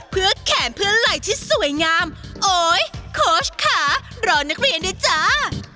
เพื่อแขนเพื่อไหล่ที่สวยงามโอ๊ยโค้ชค่ะรอนักเรียนด้วยจ้า